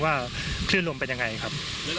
ว่าคลื่นลมเป็นอย่างไรครับ